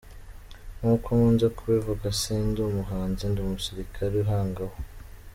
Nkuko nkunze kubivuga si ndi umuhanzi, ndi umusirikali uhangwaho.